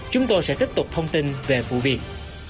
chúng tôi sẽ tiếp tục thông tin về vụ việc